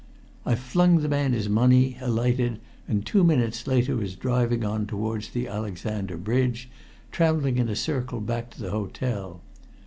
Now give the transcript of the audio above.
I flung the man his money, alighted, and two minutes later was driving on towards the Alexander Bridge, traveling in a circle back to the hotel.